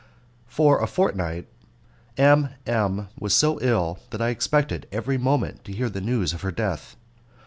For a fortnight M M was so ill that I expected every moment to hear the news of her death.